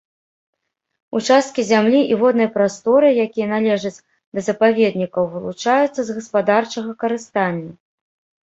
Участкі зямлі і воднай прасторы, якія належаць да запаведнікаў, вылучаюцца з гаспадарчага карыстання.